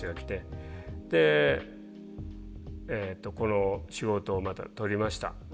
でこの仕事をまた取りました。